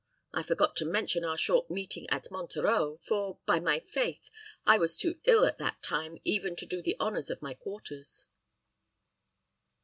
I forgot to mention our short meeting at Monterreau, for, by my faith! I was too ill at that time even to do the honors of my quarters."